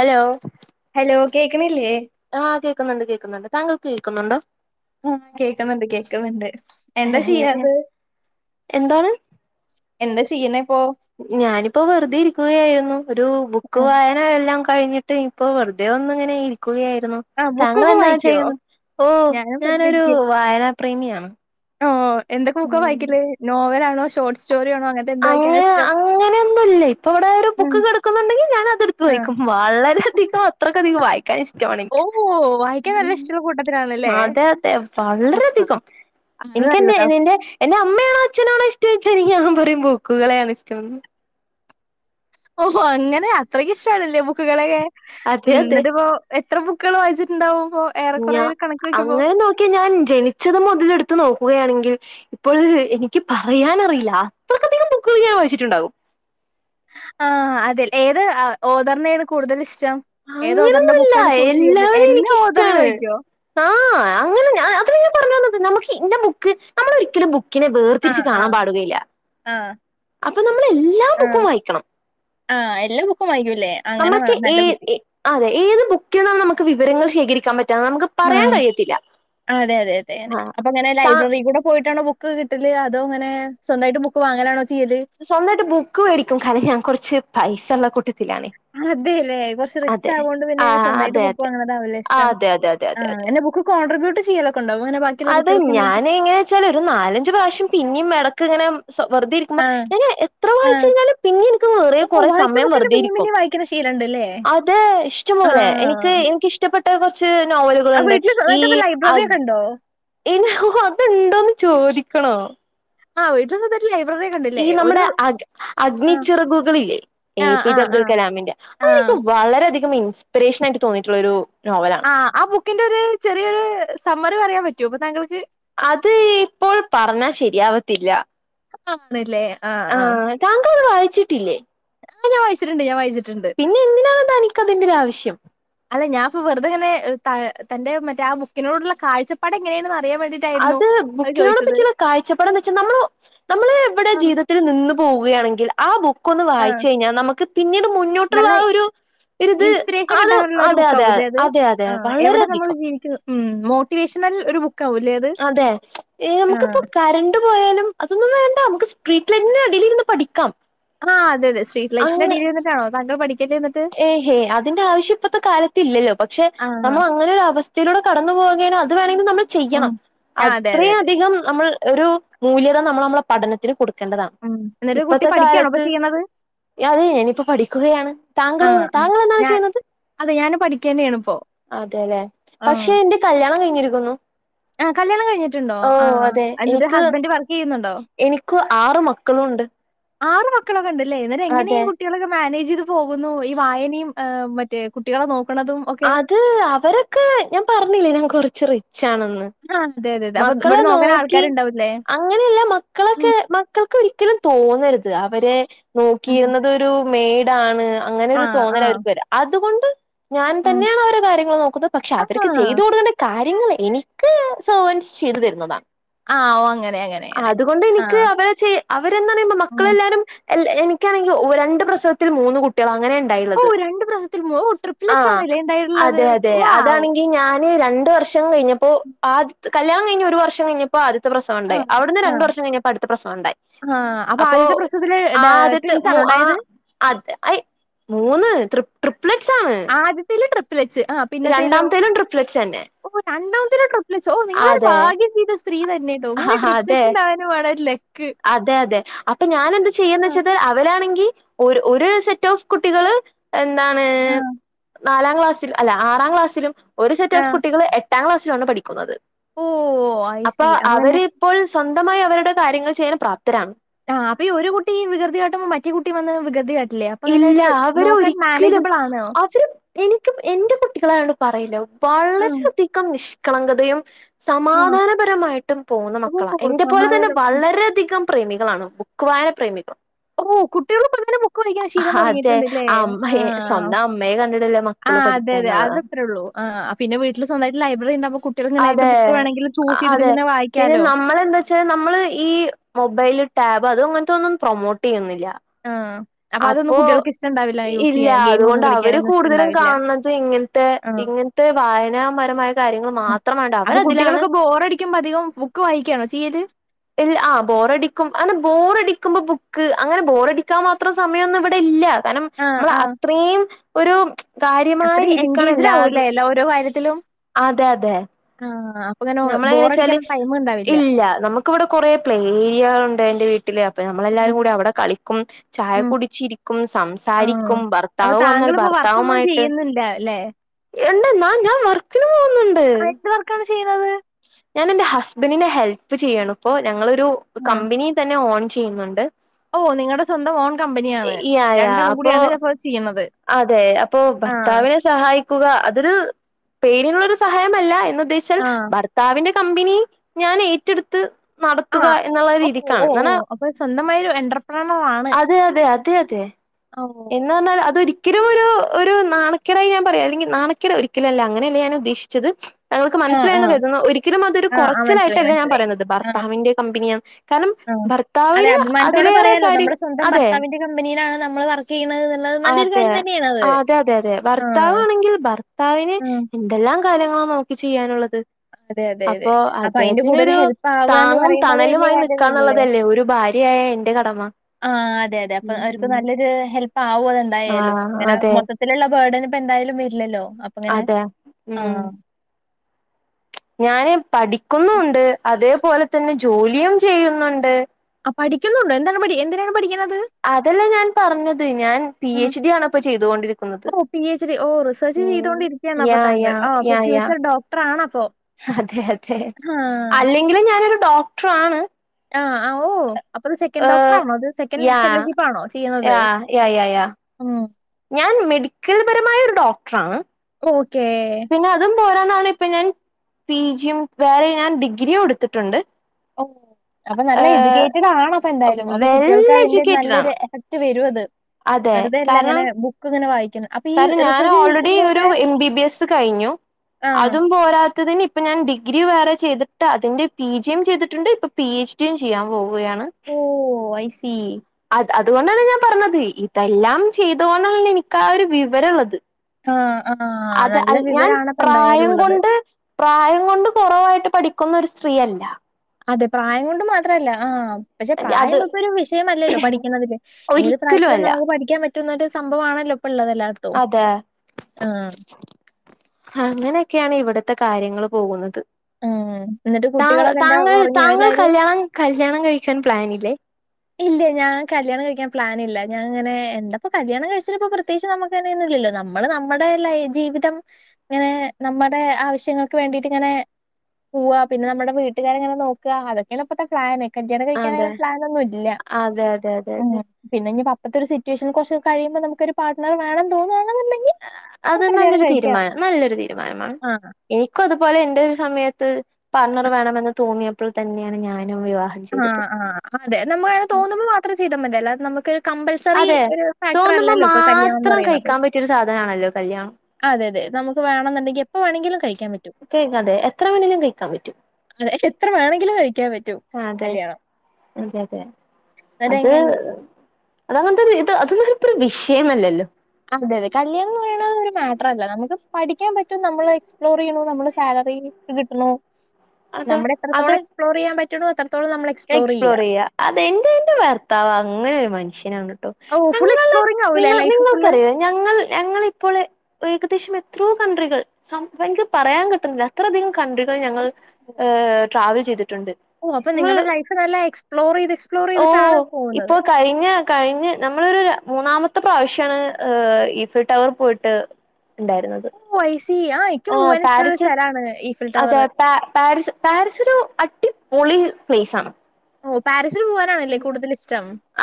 Hello hello കേക്കണില്ലേ ആഹ് കേക്കുന്നൊണ്ട് കേക്കുന്നൊണ്ട്. താങ്കൾ കേൾക്കുന്നൊണ്ടോ ഉം കേക്കുന്നൊണ്ട് കേക്കുന്നൊണ്ട്. എന്ത ശെയ്യണത് എന്താണ് എന്ത ചെയ്യ്ന്നെ ഞാനിപ്പോ വെറുതെ ഇരി ക്കുക ആയിരുന്നു ഒരു ബുക്ക് വായന എല്ലാം കഴിഞ്ഞിട്ട് ഇപ്പോ വെറുതെ ഒന്ന് അങ്ങനെയിരിക്കും ക്കുകയായിരുന്നു. ആഹ് താങ്കള് ബുക്കൊക്കെ എന്താണ് വായിക്കുവോ ചെയ്യുന്ന ഓ ഞാനൊരു വായന പ്രേമിയാണ് അഓ എന്തൊക്ക ബുക്കേള് ഉം വായിക്കല് നോവലാ ണോ ഷോർട്ട് സ്‌റ്റോറി ആണോ അങ്ങനത്തെ എന്ത് അങ്ങ്ന വായിക്കാനാ ഇഷ്ടം അങ്ങനെ ഒന്നും ഇല്ലേ. ഇപ്പ ഇവിടെ ഒരു ഉം ബുക്ക് കെടക്കുന്നുണ്ടെങ്കി ഞാൻ അത് എടുത്ത് ആഹ് വെയ്ക്കും. വളരെ അധികം അത്രയ്ക്ക അധികം വായി കഴിച് ഓ റ്റോണിക് വായിക്കാൻ നല്ല ഇഷ്ടമുള്ള കൂട്ടത്തിലാണല്ലേ അതെ അതെ ആഹ് വളരധികം അത് എനിക്കെൻ്റെ നല്ലതാ എ എൻ്റെ എൻ്റെ അമ്മയാണോ അച്ഛനാണോ ഇഷ്ട്ടോ ചോയിച്ചാ എനിക്ക് അമ് ട്ടീം ബുക്കുകളെയാണ് ഇഷ്ടംന്ന് ഓഹോ അങ്ങനെ അത്രക്കിഷ് ഷ്ട്ടാണല്ലേ ബുക്കുകളെക്കെ അതെ ഉം എന്നിട്ടിപ്പോ എ ത്ര ബുക്കുകള് വായിച്ചിട്ടുണ്ടാവും? ഇപ്പോ ഏറെക്കുറെ ഞ ഒരു കണക്ക് വെക്കുമ്പോ അങ്ങനെ നോക്കിയാ ഞാൻ ജനിച്ചത് മുതലെടുത്ത് നോ ക്കുകയാണെങ്കിൽ ഇപ്പോൾ എനിക്ക് പറയാനറിയില്ല അത്രക്കധികം ബുക്ക് ഞാൻ വായിച്ചിട്ടുണ്ടാകും. ആഹ് അതെൽ ഏത് ആ ഓതറിനയാണ് കൂടുതൽ ഇഷ് അങ്ങനൊന്നു ഇല്ല എല്ലാവരേം എല്ലാ എനിക്ക് ഓഥറെയും ഇഷ്ടാണ്. വായിക്കോ? ആഹ് അങ്ങനെ ഞാ അത്രേങ്കി പറഞ്ഞോന്ന് നമക്ക് എൻ്റ ബുക്ക് നമ്മള് ഒരിക്കലും ബു ക്കിനെ ആ, വേർതിരിച്ച് ആ, കാണാൻ പാടുകയില്ല. ആ, അപ്പം നമ്മള് എല്ലാ ബുക്കും വായിക്കണം ആഹ് എല്ലാ ബുക്കും വായിക്കു അ നമ്മൾക്ക് ഏ എ അതെ ഏത് ബുക്ക് ക്കിന്നാണ് നമ്മക്ക് വിവരങ്ങൾ ശേഖരിക്കാം പറ്റ് ആഹ് ആ അതെ അതെ അതെ അങ്ങ്നെ. ആഹ് അപ്പം ഞാന് താ ലൈബ്രറി കൂടെ പോയിട്ടാണ് ബു ക്ക് കിട്ടില്ലേ അതോ അങ്ങനെ സ്വന്തായിട്ട് ബുക്ക് വാങ്ങാനാണോ സ്വന്തായിട്ട് ബുക്ക് മേടിക്കും കാരണം ഞാൻ കൊറച്ച് പൈസെള്ള കൂട്ട അതേ അല്ലേ കുറച്ച് റിച്ചായതുകൊണ്ട് ആ സ്വന്തമായിട്ട് അതെ ബുക്കു അതെ വാങ്ങണതാവല്ലേ ആ ഇഷ്ടം. അതെ അതെ അതെ ആ അതെ അതെ അങ്ങനെ ബുക്ക് കോൺട്രിബൂ ട്ട് ചെയ്യലോ അത് ഞാന് എങ്ങനെന്നു വെച്ചാ ഒരു നാലഞ്ചു പ്രാവശ്യം പിന്നെയും ഇട ക്ക് ഇങ്ങനം വെറുതെ ആ, ഇരിക്കുമ്പം ഏ എത്ര ആ. വായിച്ചു കഴിഞ്ഞാലും പിന്നെ എനിക്ക് വേറെ ഓ കുറേ വായിച്ച സമയം ബുക്കെന്നെ പിന്നേം വെറുതേയിരിക്കും. പിന്നേം വായിക്കണ ശീലണ്ട്ല്ലേ? അത് ഇഷ്ടം പോലെ ആ. എനിക്ക് എനിക്കിഷ്ടപ്പെ ട്ടേ കൊർച് ച്ച് നോവലുകൾ ആ ഉണ്ട് വീട്ടില് ഈ സ്വന്തമായിട്ട് ഇപ്പൊ ലൈബ്രറി അത് ഒക്കെ ഉണ്ടോ ഏ ഹോ ഹോ അതു ണ്ടോന്ന് ചോദിക്കണോ? ആ വീട്ടില് സ്വന്ത ഈ നമ്മടെ അഗ ആ. അഗ്നിച്ചിറകുകൾ ഇല്ലേ എ. ആ പി. ആ ജെ. ആ അബ്ദുൾ കലാമിന്റെ ആ അതിനൊക്ക വളരെ അധി കം ഇൻസ്പിരേഷനായിട്ട് തോന്നിട്ടുള്ളെരു ആ ആ ബുക്കിന്റെ ഒരു ചെറിയൊരു സം മ്മറി അറിയാൻ പറ്റുമോ ഇപ്പം താങ്കൾക്ക്? അത് ഇപ്പോൾ പറഞ്ഞാ ശരിയാവത്തില്ല. ആ താ അത് വായിട്ടില്ലേ? ഞാൻ വായിച്ചിട്ടുണ്ട് വായിച്ചി പിന്നെ എന്തിനാണ് തനിക്കതിന്റെ ഒരാവശ്യം? അല്ല അതെ ഞാനിപ്പ വെറുതെങ്ങനെ ത തന്റെ മറ്റേ ആ ബുക്കിനോടുള്ള കാഴ്ചപ്പാട് എങ്ങനെ അത് ബുക്കിനോട് പറ്റിയുള്ള കാഴ്ചപ്പാട് എന്ത് വെച്ചാൽ നമ്മള് നമ്മള് ഇവിടെ ആ, ജീവിതത്തിൽ നിന്നു പോവും. പോയാണങ്കിൽ ക്കെന്ന് ആ. വായിച്ചു കഴിഞ്ഞാൽ നമ്മുക് പിന്നീടുള്ള മുന്നോട്ടുള്ള നല്ല ആ ഒരു ഒരിത് ഇൻസ്പിറേഷൻ അത് കിട്ടാനുള്ള ഒരു ബുക്ക് അതെ ആവൂലേ അത് അതെ അതെ ആ, വളരെയധികം നല്ല ഒരു ബുക്ക് അതെ ഏ നമ്മുക്കിപ്പം കറണ്ട് പോയാലും അതൊന്നു വേണ്ട നമ്മുടെ സിട്രിന്റെ അടിലിരുന്ന് പഠിക്കാം. ആ അതെ അതെ സ്ടിറ്റ് ലൈറ്റിന്റെ അടിയിലിരുന്നിട്ടാണോ താങ്കള് പഠി ഏ ഹേ അതിന്റാവശ്യം ഇപ്പളത്തെ കാലത്തില്ലലോ? പക്ഷേ ആ നമ്മള് അങ്ങനൊരവസ്ഥ ലൂടെ കടന്നുപോവങ്കിപിന്നെ അ നമ്മള് ഉം. ചെയ്യണം. ആ അതെ അതെ അത്രയും അതെ. അധികം നമ്മൾ ഒരു മുല്യത നമ്മുൾ നമ്മുടെ പഠനത്തിന് കൊടു ഉം. എന്നിട്ട് കുട്ടി ഇപ്പഴത്തെ പഠിക്കാണോ ഇപ്പൊ കാലത്ത് ചെയ്യണത്? അതെ ഞാനിപ്പം പഠിക്കുകയാണ്. ആ താങ്കളു ആ. താങ്കൾ എന്താണ് ഞാൻ ചെയ്യുന്നത്? അതെ ഞാന് പഠിക്കന്നെയാണിപ്പോ. അതെല്ലേ ആ. പക്ഷേ എന്റെ കല്യ ണം കഴിഞ്ഞിരിക്കുണു. ആ കല്യാണം കഴിഞ്ഞിട്ടുണ്ടോ ആഹ് എന്നിട്ട് ഹസ്ബൻഡ് വർക്കെ എനിക്കു ആറ് മക്കളുണ്ട് ആറ് മക്കളൊക്കെ ഉണ്ടോ അല്ല ഇവരെങ്ങനെ ഈ അതെ കുട്ടികളൊക്കെ മാനേജ് പോകുന്നു ഈ വായനയും മറ്റ് കുട്ടികളെ നോക്കലും അത് അവരൊക്കെ ഞാൻ പറഞ്ഞില്ലേ ഞാൻ കുറച്ച് ചെറി റിച്ചാണെന്ന് ആ അതെ അതെ അതെ. അപ്പൊ മക്കളെ ഇവിടെ നോക്കാൻ നോക്കി ആൾക്കാരുണ്ടാവൂല്ലേ? അങ്ങനെയല്ല ഉം മക്കളൊക്കെ മക്കൾക്ക് ഒരി ഒരിക്കലും തോന്നരുത് അവരെ ഉം. നോക്കിയിരുന്നത് ഒരു മേ ടാണ് അങ്ങനെ ആ ഒരു ആ. തോന്നൽ അവർക്ക് വരാ അതുകൊണ്ട് ഞാൻ ഉം. തന്നെയാണ് ഓരെ കാര്യങ്ങൾ നോക്കുന്നത് പക്ഷെ ആ. അവർക്ക് ചെയ്ത് കൊടുക്കേണ്ട കാര്യ നിങ്ങള് എനിക്ക് സെർവൻസ് ചെയ്തു തരുന്നതാ ആ ഓ അങ്ങനെ അങ്ങനെ അങ്ങനെ. അതുകൊണ്ട് ആ. എനിക്ക് അവരെ ചെ അവരന്ന് പറയുമ്പോ ഉം. മക്കളെല്ലാരും എനിക്കാണെങ്കിൽ രണ്ട് പ്രസവത്തിൽ മൂന്ന് കുട്ടികളാണ് ഓ രണ്ട് പ്രസവത്തിൽ പോ ട്രിപ്പിലെറ്റ് ആഹ് ആന്നെല്ലേ ഇണ്ടായിട്ടുള്ളത് വാവൗ ഏ രണ്ട് വർഷം കഴിഞ്ഞപ്പോ ആ കല്യാണം കഴിഞ്ഞൊരു വർഷം കഴിഞ്ഞപ്പോ ആ ആദ്യത്തെ ആ പ്രസവുണ്ടായി അവിടുന്ന് ആ. രണ്ട് വർഷം കഴിഞ്ഞപ്പോ അടുത്ത പ്രസവം ഉണ്ടായി ആ. അപ്പൊ ആദ്യത്തെ പ്രസവത്തില് ഡ ആദ്യത്തെ മൂ ട്വിൻസാണോ ആ ഉണ്ടായത്? ആദ്യത്തെ അയ് മൂന്ന് ട്രിപ്ലെറ്റ്സ് ആണ് ആദ്യത്തെയില് ട്രി വെച്ച് ആ പിന്നെത്തേതിലോ രണ്ടാമത്തേലും ട്രിപ്ലെറ്റ്സ് തന്നെ ഓ രണ്ടും ഓ നിങ്ങളൊരു അതെ ഭാഗ്യം ചെയ്ത സ് സ്ത്രീ തന്നെണ്ടോ ഇങ്ങനെ അതെ ട്രിപ്പിലസിനെ ആവാനും വേണം ഒരു ലക്ക്. അതെ അതെ അപ്പൊ ഞാൻ എന്ത് ചെയ്യാന്ന് ആ. വെച്ചത് അവരാണെങ്കിൽ ഒരു ഒരു സെറ്റ് ഓഫ് കുട്ടികള് എന്താണ് ആ. നാലാം ക്ലാസ്സിൽ അല്ല ആറാം ക്ലാസ്സിലും ഒരു സെറ്റ് ആ. ഓഫ് കുട്ടികൾ എ ട്ടാം ക്ലാസിലാണ് പഠിക്കുന്നത് ഓഹ്! ഐ അപ്പൊ സീ. അവര് അങ്ങനെ ഇപ്പോൾ സ്വ- മായി അവരുടെ കാര്യങ്ങൾ ചെയ്യൻ പ്രാപ്തരാണ് ആഹ് അപ്പ ഈ ഒരു കുട്ടി വികൃതിയട്ടുമ്പോ മറ്റേ കുട്ടി വന്ന് വികൃതി- കാട്ടില്ലേ? അപ്പൊ അങ്ങനെ ഇല്ല ഒരു അവര് നോക്കാൻ ഒരിക്കലും മാനേജബിൾ ആണോ? അവര് എനിക്ക് എന്റെ കുട്ടികളാണ് പറയിലോ ആ. വളരെെയധികം നിഷ്- കളങ്കതയും ആ. സമാധാനപരമായിട്ടും പോന്ന മക്കളാ ഓഹ്! എന്റെ പോലെ തന്നെ സമാധാനം. വളരെയധികം പ്രേമികളാണ് ബുക്കുവായന പ്രേമികൾ ഓ കുട്ടികളിപ്പൊത്തന്നെ ബുക്ക്‌ വായ്ക്കണ ശീലം അതെ തുടങ്ങിയിട്ടുണ്ടല്ലേ ആ അമ്മയെ സ്വന്തം അമ്മയെ കണ്ടിട്ടല്ലേ ആ മക്കള് അതെതെ പഠിക്കാന്നുള്ളതാണ് അതെത്രേള്ളൂ ആ പിന്നെ വീട്ടിൽ സ്വന്തവായിട്ട് ലൈബ്രറി ഉണ്ടാവുമ്പോ കു- അതെ അതെ പിന്നെ വായിക്കാലോ. നമ്മളെന്താ വെച്ചാ നമ്മള് ഈ മൊബൈൽ ടാബ് അത് അങ്ങനത്തെ ഒന്നും പ്രമോട്ട് ചെയ്യുന്നില്ല യ്യ ആ. അപ്പൊ അതൊന്നും അപ്പോ കുട്ടികൾക്ക് ഇഷ്ടണ്ടാവില്ല യൂസ് ഇല്ല ചെയ്യാൻ. ഗെയിമൊന്നും അതുകൊണ്ട് അവര് കളിക്കാനൊന്നും കൂടുതലും ഇഷ്ടണ്ടാവില്ല. കാണുന്നത് ഇങ്ങൻത്തെ ആ. ഇങ്ങൻത്തെ വായനാപരമായ കാര്യങ്ങൾ മാ- ആ. ത്രമാണ്ട അപ്പൊ അവരതിലാണ് കുട്ടികളൊക്കെ ബോറടിക്കുമ്പോ അധികം ബുക്ക് വായിക്കാണോ ചെയ്യല്? ഇൽ ആഹ് ബോറടിക്കും അങ്ങനെ ബോറടിക്കുമ്പം ബുക്ക്‌ ക്ക് അങ്ങനെ ബോറടിക്കാൻ മാത്രം സമയൊന്നും ഇവിടെല്ല കാരണം ആ ആ. അമ്മളത്രയും ഒരു കാര്യമായ രീതിക്കണല്ലാതും ത്തിലും അതെ അതെ ആഹ് നമ്മളെങ്ങനെ വെച്ചാല് ഇല്ല നമുക്കിവിടെ കൊറെ പ്ലേ ഏരിയകളുണ്ട് എന്റെ വീ- ട്ടില്ലേ അപ്പൊ നമ്മളെല്ലാരും ഉം. കൂടി അവിടെ കളിക്കും ചായ ഉം. കുടിച്ചിരിക്കും ആ. സംസാരിക്കും അപ്പൊ ഭർത്താവ് വന്നാൽ താങ്കളിപ്പോ വർക്കൊന്നും ഭർത്താവുമായിട്ട് ചെയ്യുന്നില്ല ല്ലേ? ഇണ്ടെന്നാ ഞാൻ വർക്കിന് പോ അയിൻ്റ വർക്കാ ചെയ്യുന്നത് ഞാൻ എന്റെ ഹസ്ബന്റിനെ ഹെൽപ് ചെയ്യാണിപ്പോ ഞങ്ങള് രു ആ. കമ്പിനി തന്നെ ഓണ ചെയ്യുന്നുണ്ട് ഓ നിങ്ങടെ സ്വന്തം ഓൺ കമ്പനിയാണ് യാ യാ രണ്ടെണ്ണം അപ്പോ കൂടിയാണ് ഇതൊക്കെ ചെയ്യണത് അതെ അപ്പോ ഭർത്താവിനെ സഹായിക്കുക അതൊരു പേരിനൊരു സഹായവല്ല ച്ചാൽ ആ. ഭർത്താവിന് കമ്പനി ഞാൻ ഏറ്റെടുത്ത് ആ. നടത്തുക എന്നുള്ള ഓ! രീതിക്കാണ് ഓ! ഓ! കാരണം അപ്പൊ സ്വന്തമായി ഒരു എന്റർപ്രണർ ആണ്. അതെ അതെ അതെ ഓ! എന്നു പറഞ്ഞാ അതൊരി ക്കിലും ഒരു ഒരു നാണക്കേടായി ഞാൻ പറയാല നാണക്കേട് ഒരിക്കലുല്ല അങ്ങനെയല്ല ഞാൻ ഉദ്ദേശിച്ചത് ഇവർക്ക് ആ, ആ. മനസ്സിലായെന്ന് കരുതുന്നു ഒരിക്കലും അത് ആ, ആ. മനസ്സിലായി, കുറച്ചിലായിട്ടല്ല ഞാൻ മനസ്സിലായി. പറയുന്നത് ആ, ഭർത്താവിൻ്റെ കമ്പനിയാ കാരണം ആ. അതെ ഭർത്താവിന് അഭിമാനത്തോടെ അതിലേറെ കാര്യം അതെ മ്മള് വർ അതെ അതെ അതെ ആ. ഭർത്താവാണെങ്കിൽ ഭർത്താവിന് ആ. എന്തെല്ലാം കാര്യങ്ങള് നോക്കി ചിയ്യാനുള്ളത് അതെ, അതെ, അതെ. അപ്പൊ അയിന്റെ അദ്ദേഹത്തിന് കൂടെ ഒരു ഹെൽപ്പ് ആവാന്ന് താങ്ങും പറയുമ്പോ അത് വലിയ തണലുമായി കാര്യം തന്നല്ലേ? നിക്കാന്നുള്ളതല്ലേ ഒരു ഭാര്യയായ എന്റെ കടമ ആ. ഉം പാവും അതെന്തായാലും ആഹ് ഇങ്ങനെ അതെ മൊത്തത്തിലുള്ള ബേർഡന് ഇപ്പ എന്തായാലും വരില്ലല്ലോ അപ്പങ്ങനെ അതെ ആ. ഉം ഞാന് പഠിക്കുന്നുണ്ട് അതേപോലെ തന്നെ ജോലിയും ചെയ്യുന്നുണ്ട് ആ പഠിക്കുന്നുണ്ട് എന്താണ് പഠി എന്തിനാണ് പഠിക്കണത്? അതല്ലേ ഞാൻ പറഞ്ഞത് ഞാൻ പി ആ. എച്ച് ഡി ആണപ്പൊ ചെയ്തൊണ്ടിരിക്കുന്നത് ഓ! പിഎച്ച്‌ഡി. ഓ! റിസർച്ച് ഉം ചെയ്തോണ്ടിരിക്കയാണ് അപ്പൊ യാ താങ്കൾ. യാ ആ അപ്പൊ യാ യാ ഫ്യൂച്ചർ ഡോക്ടർ ആണപ്പൊ. അതെ അതെ ഹാ. അല്ലെങ്കിലും ഞാനൊരു ഡോക്ടർ ആണ് ആഹ് ആ ഓ അപ്പൊ സെക്കൻഡ് ഏഹ് ഡോക്ടറാണോ ത് സെക്കൻഡ് യാ ഫെലോഷിപ്പ് ആണോ ചെയ്യുന്നത് യാ യാ യാ യാ ഉം ഞാൻ മെഡിക്കൽപരമായ ഒരു ഡോക്ടറാണ് ഓക്കെ കെ പിന്നെ അതും പോരാനാണ് ഇപ്പൊ ഞാൻ പി ജിയും വേറെ ഞാൻ ഡിഗ്രിയും ഇടുത്തിട്ടുണ്ട് ഓ അപ്പൊ നല്ല എഡ്യൂക്കേറ്റഡ് ആണ് ഇപ്പ എന്തായാലും വെൽ കുട്ടികൾക്ക് അതിന്റെ എഡ്യൂക്കേറ്റഡ് നല്ലൊരു ആണ് എഫക്ട് ട് വരും അത് അതെ വെറുതെല്ല കാരണം ഇങ്ങനെ ബുക്ക് ഇങ്ങനെ വായി കാരണം ഞാൻ ഓൾറെഡി ഒരു എം ബി ബി എസ് കഴിഞ്ഞു ആ. അതും പോരാത്തതിന്- ഇപ്പം ഞാൻ ഡിഗ്രി വേറെ ചെയ്തിട്ട് അതിൻ്റെ പി ജിയും ചെയ്തിട്ടുണ്ട് ഇപ്പോ പി എച്ച് ഡിയും ചെയ്യാൻ പോകും ഓഹ് ഐസി അത് അതുകൊണ്ടാണ് ഞാൻ പറഞ്ഞത് ഇതെല്ലാം ചെയ്‌തോളണം എനിക്കാ ഒരു വിവരവത് ആഹ് അത് അൽ ഞാൻ പ്രായം ഉള്ളത്. കൊണ്ട് പ്രായംകൊണ്ട് കൊറവായിട്ട് പടി ക്കുന്നൊര് സ്ത്രീ അല്ല അതെ പ്രായം കൊണ്ട് മാത്രല്ല ആഹ് പക്ഷെ പ്രായം അത് ഇപ്പൊരു വിഷയം അല്ലല്ലോ പഠിക്കണതില് ഏത് ഒരിക്കലും പ്രായത്തിലും അല്ല നമുക്ക് പഠിക്കാൻ പറ്റ് റ്റ് ന്നോര് സംഭവാണല്ലോ ഇപ്പ ഉള്ളത് എല്ലായിടത്തും. അതെ ആ. അങ്ങനെക്കാണ് ഇവിട് ഇപ്പഴത്തെ കാര്യങ്ങള് പോകുന്നത് ഉം. എന്നിട്ട് താങ്ക് കുട്ടികളൊക്കെ എന്താ താങ്കൾ ഉറങ്ങിയോ താങ്കൾ എല്ലാരും? കല്യാണം കല്യാണം കഴിക്കാൻ പ്ലാനില് ലെ ഇല്യ ഞാൻ കല്യാണം കഴിക്കാൻ പ്ലാൻ ഇല്ലാ ഞാൻ ഇങ്ങനെ എന്തപ്പ കല്യാണം കഴിച്ചിട്ട് ഇപ്പ പ്രത്യേകിച്ച് നമ്മക്ക് അങ്ങനെന്നും ഇല്ലല്ലോ നമ്മള് നമ്മടെ ലൈ ജീവിതം ഇങ്ങനെ നമ്മടെ ആവശ്യങ്ങക്ക് വേണ്ടിട്ട് ഇങ്ങനെ പൂവ പിന്നെ നമ്മടെ വീട്ട്കാരെ ഇങ്ങനെ നോക്ക അതെക്കേണ് ഇപ്പത്ത പ്ലാന് കല്യാണം കഴിക്കാൻ അതെ അങ്ങനെ പ്ലാൻ ഒന്നും ഇൽ അതെ അതെ അതെ അതെ ഇനീപ്പ അപ്പത്തെ ഒരു സിറ്റുവേഷൻ കൊറച്ച് കഴിയുമ്പ നമുക്കൊരു പാട്ണർ വേണംന്ന് തോന്നുവാണേ അത് നല്ലൊരു തീരുമാനം നല്ലൊരു തീരുമാനമാണ് ആഹ് എനിക്കതു ത്പോലെ എന്റൊരു സമയത്ത് പാർട്ണർ വേണമെന്ന് തോന്നിയപ് പ്പോൾ തന്നെയാണ് ഞാൻ ആഹ് ആഹ് അതെ നമ്മക്ക് അങ്ങനെ തോന്നുമ്പോ മാത്രം ചെയ്താമതിഅല്ലാതെ നമക്കൊരു അതെ തോന്നുമ്പ കല്യാണം എന്ന് മാത്രം പറയുന്നത് കയിക്കാൻ പറ്റിയ ഒരു സാദനം ആണല്ലോ കല്യാണം അതെ അതെ നമുക്ക് വേണോന്നുണ്ടെങ്കി എപ്പ വേണെങ്കിലും കയിക്ക് ക്കെ യ്ക്കതെ എത്ര വേണേലും കയിക്കാൻ പറ്റും അതെ എത്ര വേണങ്കിലും കഴിക്കാൻ പറ്റ് അതെ അതെ അതെ അത് അതെങ്ങനെ അതങ്ങനെ തന്നെ ഇത് അതൊന്നും ഇപ്പൊരു വിഷയം അല്ലല്ലോ ട്രല്ല നമുക്ക് പഠിക്കാൻ പറ്റും നമ്മള് എക്സ്പ്ലോർ ചെയ്യണു നമ്മടെ സാലറി ക്ക് കിട്ടണു നമ്മള് എത്രത്തോളം എക്സ്പ്ലോർ ചെയ്യാൻ പറ്റ് റ്റ് ണു ഒത്താനെ തെ എക്സ്പ്ലോർ ചെയ്യാ അത് എന്റെ എന്റെ ഭർത്താവാ അങ്ങനെ ഒരു മനി ഷ്യനാണ് ഓഹ് ഓ ഫുൾ ഞങ്ങള് എക്സ്പ്ലോറിംഗ് ആവൂലേ നിങ്ങ ലൈഫ് നിങ്ങൾക് ഫുള്ള് അറിയോ ഞങ്ങൾ ഞങ്ങളിപ്പോള് വേഗ അത്യാവശ്യം എത്രയോ കൺട്രികൾ എനിക്ക് പറയാൻ കിട്ടുന്നില്ല അത്രയധികം കൺട്രികൾ ഞങ്ങൾ ഏ ട്രാവൽ ചെയ്ത് ട്ടുണ്ട് ഓ അപ്പൊ നിങ്ങൾ നിങ്ങളുടെ ലൈഫ് നല്ല എക്സ്പ്ലോർ ചെയ്ത് എക്സ്പ്ലോർ ചെയ്തിട്ടാണ് പോകുന്നത് ഇപ്പൊ കഴിഞ്ഞ കഴിഞ്ഞ് നമ്മളൊരു മൂന്നാമത്തെ പ്രാവശ്യാണ് ഈഫിൽ ടവർ പോയിട്ട് ഉണ്ടായിരുന്നത് ഓ ഐ ആ എനിക്കും പോവാൻ ഇഷ്ടമുള്ള ഒരു സ്ഥലമാണ് ഇഫ് അതെ പാ പാ പാരീസ് ഒരു അ ടി പൊളി പ്ലേസ് ആണ് ഉം പാരീസ്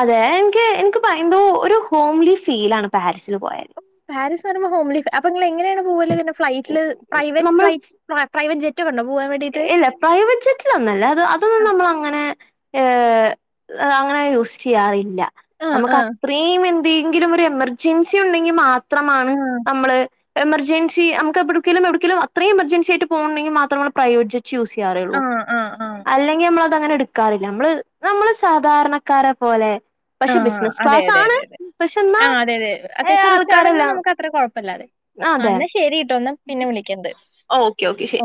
അതെ എനിക്ക് എനിക്ക് ഭയ എന്തോ ഒരു ഹോംലി ഫീല് ആണ് പാരിസില് പോയാല് [unintelligible] എങ്ങനെയാണ് പോവല് ഫ്ലൈറ്റ് ല് പ്രൈവറ്റ് നമ്മൾ ഫ്ലൈറ്റ് പ്രൈ--വറ്റ് ജെറ്റ് [unintelligible] വണം ഇല്ല പ്രൈവറ്റ് ജെറ്റിലൊന്നല്ലേ അത് അതൊന്നും നമ്മള് അങ്ങനെ ഏ അങ്ങനെ യൂസ് ചെയ്യാറില്ല ആ ആ ആ നമുക്ക് അത്രയും എ ന്തെങ്കിലും എമർജൻസി ഉണ്ടെങ്കിൽ മാത്ര ത്രമാണ് നമ്മള് എമർജൻസി നമുക്ക് എവിടേക്കെലും എവിടേക്കെലും അത്രേം എമർജൻസി ആയിട്ട് പോകുന്നുണ്ടെങ്കിൽ മാത്രമാ പ്രൈവറ്റ് ജെറ്റ് ചൂസ് ചെയ്യാറുള്ളൂ ആ ആ ആ അല്ലെങ്കി നമ്മള് [inaudible] അ അങ്ങനെ എടുക്കാറില്ല നമ്മള് നമ്മള് സാധാരണക്കാരെ പോലെ പക്ഷെ ആഹ ബിസിനസ് അതെ ക്ലാസ് അതെ ആണ് അതെ അതെ പക്ഷെ എന്നാ ആ ആ അതെ അതെ ആ അതെ അതെ ഏഹ്, അത്യാവശ്യം റിച്ച് ആണെന്ന് ആൾക്കാരെല്ലാം നമുക്ക് അത്ര കുഴപ്പമില്ലാതെ അതെ എന്ന ശരിട്ടോ എന്നാ പിന്നെ വിളിക്കണ്ട് ഓക്കെ ഓക്കെ ശരി